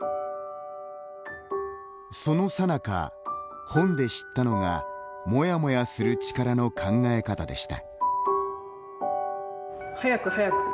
そのさなか、本で知ったのがモヤモヤする力の考え方でした。